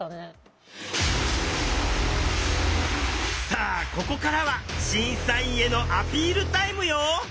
さあここからは審査員へのアピールタイムよ。